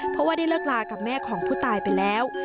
เพราะว่าได้เลิกลากับแม่ของผู้ตายไปแล้ว